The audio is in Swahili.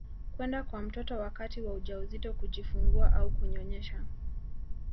kwenda kwa mtoto wakati wa ujauzito kujifungua au kunyonyesha